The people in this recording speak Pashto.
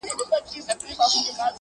اوس يــې آهـونـــه په واوښتـل.